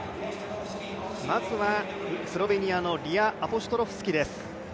まずはスロベニアのリア・アポシュトロフスキです。